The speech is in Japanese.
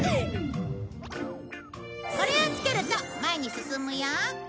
これをつけると前に進むよ。